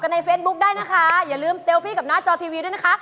แล้วคุณผู้ชมละคะ